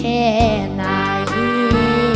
เพราะเธอชอบเมือง